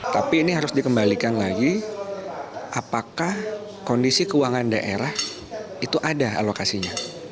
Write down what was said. tapi ini harus dikembalikan lagi apakah kondisi keuangan daerah itu ada alokasinya